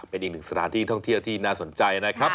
เป็นอีกหนึ่งสถานที่ท่องเที่ยวที่น่าสนใจนะครับ